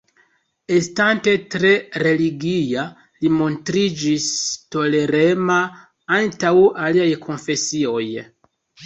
Estante tre religia li montriĝis tolerema antaŭ aliaj konfesioj.